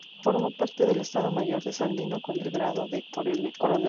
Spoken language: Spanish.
Formó parte del Estado Mayor de Sandino con el grado de Coronel.